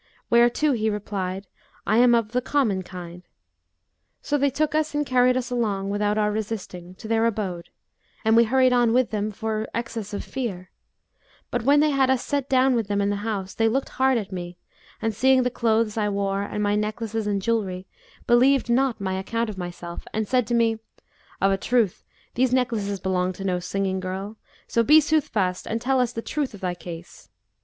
whereto he replied, 'I am of the common kind. So they took us and carried us along, without our resisting, to their abode; and we hurried on with them for excess of fear; but when they had us set down with them in the house, they looked hard at me and seeing the clothes I wore and my necklaces and jewellery, believed not my account of myself and said to me, 'Of a truth these necklaces belong to no singing girl; so be soothfast and tell us the truth of thy case.